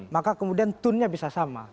maka kemudian tunnya bisa sama